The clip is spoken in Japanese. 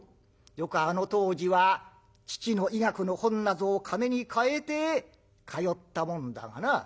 よくあの当時は父の医学の本なぞを金に換えて通ったもんだがな。